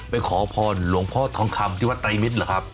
ขอพรหลวงพ่อทองคำที่วัดไตรมิตรเหรอครับ